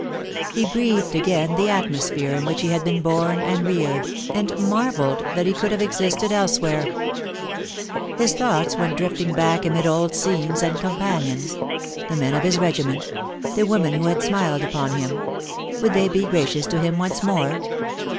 He breathed again the atmosphere in which he had been born and reared, and marvelled that he could have existed elsewhere. His thoughts went drifting back amid old scenes and companions — the men of his regiment, the women who had smiled upon him — would they be gracious to him once more